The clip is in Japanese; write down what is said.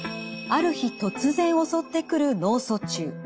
ある日突然襲ってくる脳卒中。